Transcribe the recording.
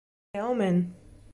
The Omen